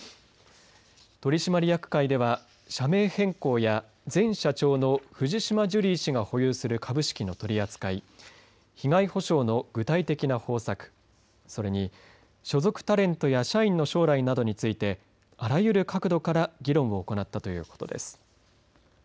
取締役会では、社名変更や前社長の藤島ジュリー氏が保有する株式の取り扱い被害補償の具体的な方策それに所属タレントや社員の将来などについてあらゆる角度から議論を行ったということです。